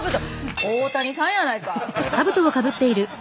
大谷さんやないか！